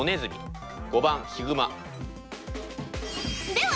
では